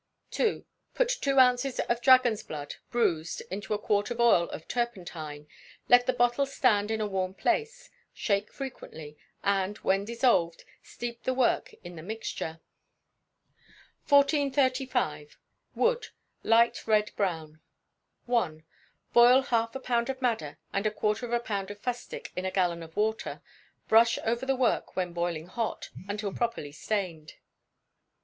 ii. Put two ounces of dragon's blood, bruised, into a quart of oil of turpentine; let the bottle stand in a warm place, shake frequently, and, when dissolved, steep the work in the mixture. 1435. Wood. Light Red Brown. i. Boil half a pound of madder and a quarter of a pound of fustic in a gallon of water; brush over the work when boiling hot, until properly stained.